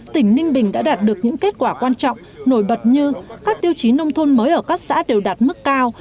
tỉnh ninh bình đã đạt được những kết quả quan trọng nổi bật như các tiêu chí nông thôn mới ở các xã đều đạt mức cao